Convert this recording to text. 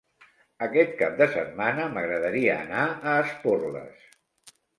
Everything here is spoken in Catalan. Aquest cap de setmana m'agradaria anar a Esporles.